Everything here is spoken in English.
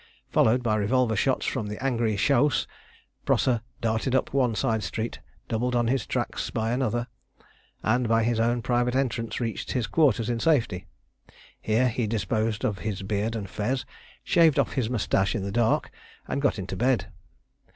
Followed by revolver shots from the angry chaouse, Prosser darted up one side street, doubled on his tracks by another, and by his own private entrance reached his quarters in safety. Here he disposed of his beard and fez, shaved off his moustache in the dark, and got into bed.